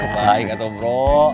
baik itu bro